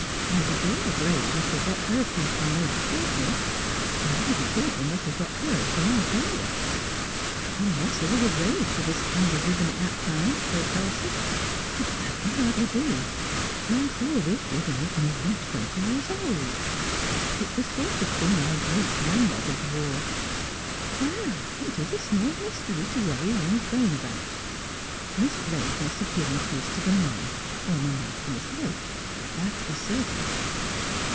Either Dora Blake must have got her piece from Lady Courtenay, or Lady Courtenay must have got hers from Aunt Dora ' Unless there was a rage for this kind of ribbon at that time,' thought Didcie, ' but that can hardly be, for I am sure this ribbon is more than twenty years old. It is the sort of thing our great grandmothers wore. Well, it is a small mystery to worry one's brain about. Miss Blake must have given a piece to mamma, or mamma to Miss Blake. That is certain.'